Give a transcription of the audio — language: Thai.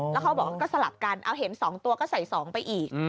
แล้วเขาบอกว่าก็สลับกันเอาเห็น๒ตัวก็ใส่๒ไปอีก